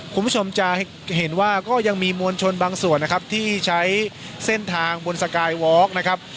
คุณผู้ชมจะเห็นว่าก็ยังมีมวลชนบางส่วนนะครับที่ใช้เส้นทางบนสกายวอล์กนะครับ